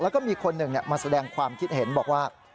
แล้วก็มีคนหนึ่งมาแสดงความคิดเห็นบอกว่า